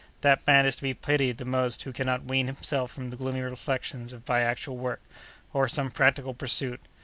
That man is to be pitied the most who cannot wean himself from gloomy reflections by actual work, or some practical pursuit.